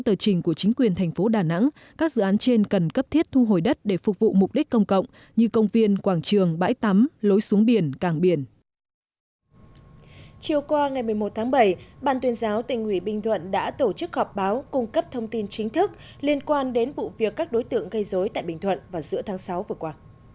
tuyên giáo tỉnh ủy bình thuận đã tổ chức họp báo cung cấp thông tin chính thức liên quan đến vụ việc các đối tượng gây dối tại bình thuận vào giữa tháng sáu vừa qua